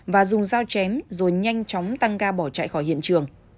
và dùng dao chém rồi nhanh chóng tăng ga bỏ chạy khỏi hiện trường